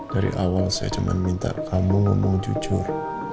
dari awal saya cuma minta kamu ngomong jujur